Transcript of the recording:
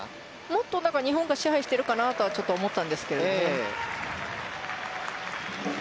もっと日本が支配してるかなとちょっと思ったんですけど。